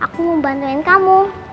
aku mau bantuin kamu